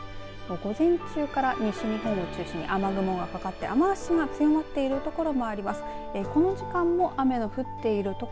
午前中から西日本を中心に雨雲がかかって雨足が強まってる所もあります。